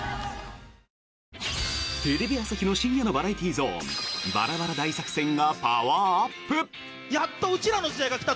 テレビ朝日の深夜のバラエティーゾーン「バラバラ大作戦」がパワーアップ！